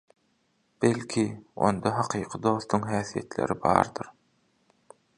Belki, onda hakyky dostuň häsiýetleri bardyr?